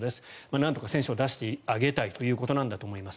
なんとか、選手を出してあげたいということなんだと思います。